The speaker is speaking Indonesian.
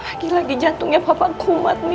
lagi lagi jantungnya papa kumat nih